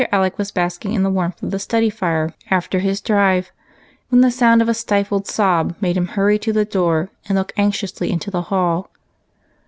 Alec was basking in the warmth of the study fire, after his drive, when the sound of a stifled sob made him hurry to the door and look anxiously into the hall.